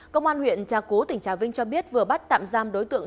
công an huyện trà cú tỉnh trà vinh cho biết vừa bắt tạm giam đối tượng